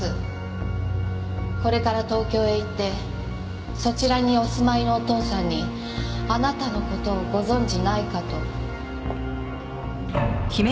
これから東京へ行ってそちらにお住まいのお父さんにあなたの事をご存じないかと。